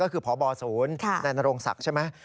ก็คือพบศูนย์นายนโรงศักดิ์ใช่ไหม